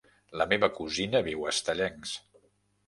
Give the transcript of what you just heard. La meva cosina viu a Estellencs.